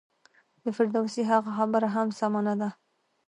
د فردوسي هغه خبره هم سمه نه ده.